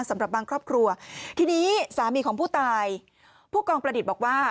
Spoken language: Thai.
สำหรับบางครอบครัวทีนี้สามีของผู้ตายผู้กองประดิษฐ์บอกว่า